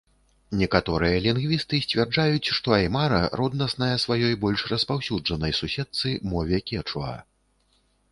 Некаторыя лінгвісты сцвярджаюць, што аймара роднасная сваёй больш распаўсюджанай суседцы, мове кечуа.